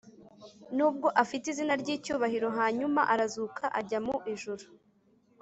nubwo afite izina ry’icyubahiro hanyuma arazuka ajya mu ijuru